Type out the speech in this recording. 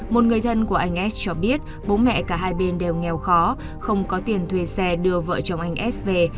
một người thân của anh ad cho biết bố mẹ cả hai bên đều nghèo khó không có tiền thuê xe đưa vợ chồng anh s về